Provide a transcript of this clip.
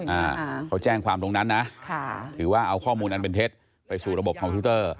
อ่าเขาแจ้งความตรงนั้นนะค่ะถือว่าเอาข้อมูลอันเป็นเท็จไปสู่ระบบคอมพิวเตอร์